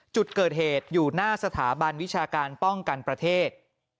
จุดเกิดเหตุอยู่หน้าสถาบันวิชาการป้องกันประเทศ